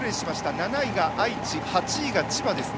７位が愛知、８位が千葉ですね。